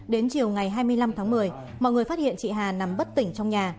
đến chiều ngày hai mươi năm tháng một mươi mọi người phát hiện chị hà nằm bất tỉnh trong nhà